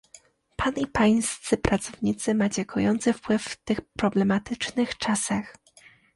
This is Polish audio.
Pan i pańscy pracownicy macie kojący wpływ w tych problematycznych czasach